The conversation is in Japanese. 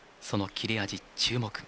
その切れ味、注目。